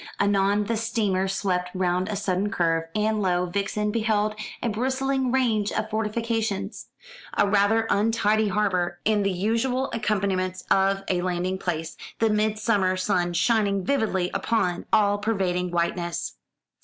Anon the steamer swept round a sudden curve, and lo, Vixen beheld a bristling range of fortifications, a rather untidy harbour, and the usual accompaniments of a landing place, the midsummer sun shining vividly upon the all pervading whiteness.